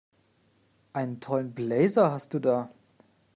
Einen tollen Blazer hast du da!